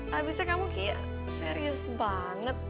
habisnya kamu kayak serius banget